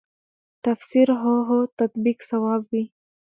تفسیر هو هو تطبیق صواب وي.